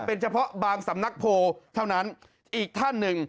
เป็นเฉพาะบางสำนักโพลเท่านั้นอีกท่านหนึ่ง